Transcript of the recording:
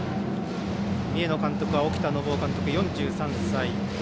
三重の監督は沖田展男監督４３歳。